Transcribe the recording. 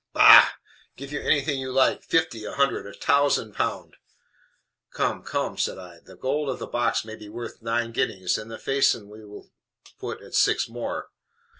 "Bah! give you anything you like fifty a hundred a tausend pound." "Come, come," said I, "the gold of the box may be worth nine guineas, and the facon we will put at six more."